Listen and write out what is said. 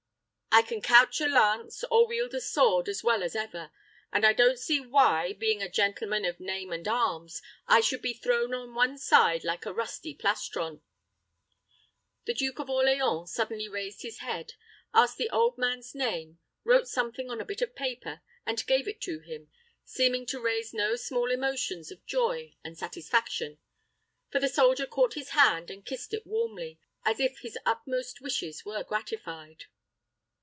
I can couch a lance, or wield a sword as well as ever, and I don't see why, being a gentleman of name and arms, I should be thrown on one side like a rusty plastron." The Duke of Orleans suddenly raised his head, asked the old man's name, wrote something on a bit of paper, and gave it to him, seeming to raise no small emotions of joy and satisfaction; for the soldier caught his hand and kissed it warmly, as if his utmost wishes were gratified.